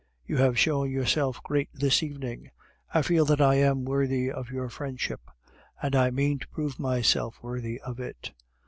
You have shown yourself great this evening; I feel that I am worthy of our friendship, and I mean to prove myself worthy of it.